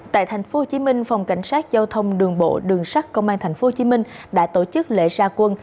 tại tp hcm phòng cảnh sát giao thông đường bộ đường sắt công an tp hcm đã tổ chức lễ ra quân